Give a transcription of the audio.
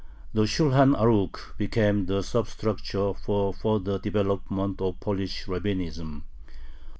The Shulhan Arukh became the substructure for the further development of Polish rabbinism.